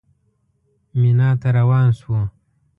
مینا ته روان شوو.